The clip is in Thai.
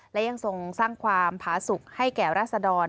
และยังทรงสร้างความผาสุขให้แก่ราษดร